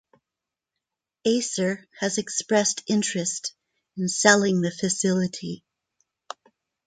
Acer has expressed interest in selling the facility.